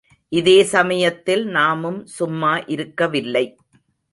இதே சமயத்தில் நாமும் சும்மா இருக்கவில்லை.